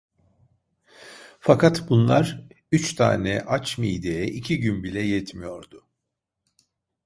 Fakat bunlar, üç tane aç mideye iki gün bile yetmiyordu…